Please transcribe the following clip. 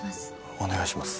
お願いします